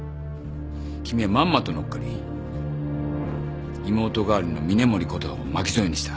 君はまんまと乗っかり妹代わりの峰森琴葉を巻き添えにした。